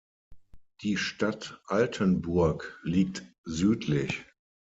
Die Stadt Altenburg liegt südlich.